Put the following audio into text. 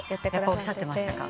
やっぱおっしゃってましたか？